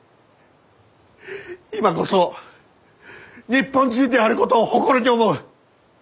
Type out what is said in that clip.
今こそ日本人であることを誇りに思う！